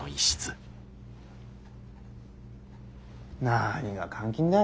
何が監禁だ。